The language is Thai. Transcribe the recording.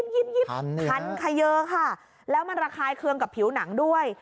ยิบทันค่ะเยอะค่ะแล้วมันระคายเครื่องกับผิวหนังด้วย